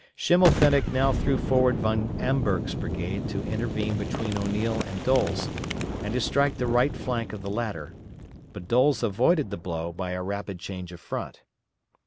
Schimmelpfennig now threw forward Von Amberg's brigade to intervene between O'Neill and Doles, and to strike the right flank of the latter; but Doles avoided the blow by a rapid change of front.